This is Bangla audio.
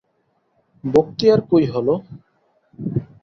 ভক্তি আর কই হল!